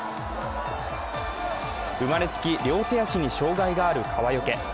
生まれつき両手足に障害がある川除。